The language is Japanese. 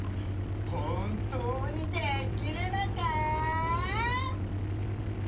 ほんとうにできるのか？